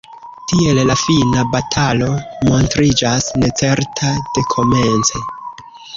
Tiel la fina batalo montriĝas necerta dekomence,